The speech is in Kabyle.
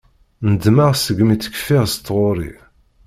Ndemmeɣ segmi tt-kfiɣ s tɣuri.